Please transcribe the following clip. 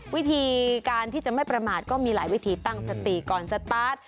วิธีการที่จะไม่ประมาทก็มีหลายวิธีตั้งสติก่อนสตาร์ท